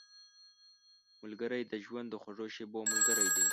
ملګری د ژوند د خوږو شېبو ملګری دی